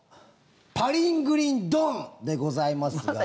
「パリングリンドーン」でございますが。